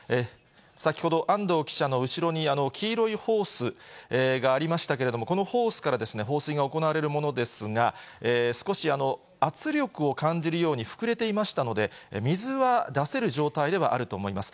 先ほど、安藤記者の後ろに黄色いホースがありましたけれども、このホースから放水が行われるものですが、少し圧力を感じるように膨れていましたので、水は出せる状態ではあると思います。